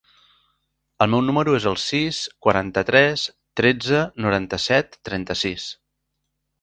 El meu número es el sis, quaranta-tres, tretze, noranta-set, trenta-sis.